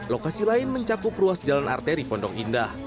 lokasi lain mencakup ruas jalan arteri pondok indah